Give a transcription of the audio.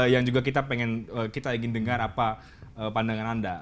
yang juga kita ingin dengar apa pandangan anda